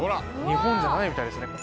日本じゃないみたいですね。